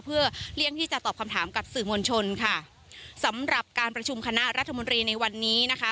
เพื่อเลี่ยงที่จะตอบคำถามกับสื่อมวลชนค่ะสำหรับการประชุมคณะรัฐมนตรีในวันนี้นะคะ